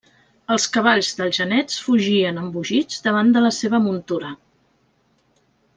Els cavalls dels genets fugien embogits davant la seva muntura.